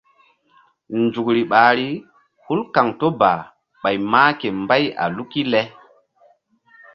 Nzukri ɓahri hul kaŋto ba ɓay mah ke mbay a luk le.